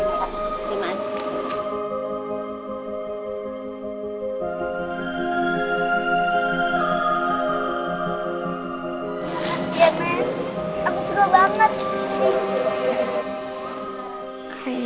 terima kasih ya nenek aku suka banget